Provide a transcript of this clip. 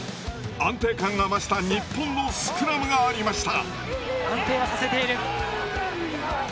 安定感が増した日本のスクラムがありました。